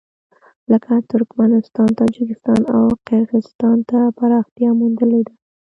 لکه ترکمنستان، تاجکستان او قرغېزستان ته پراختیا موندلې ده.